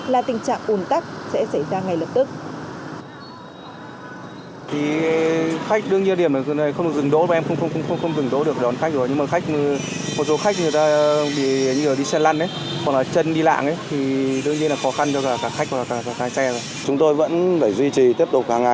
là tình trạng ùn tắc sẽ xảy ra ngay lập tức